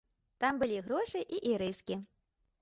Там былі грошы і ірыскі.